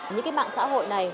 những cái mạng xã hội này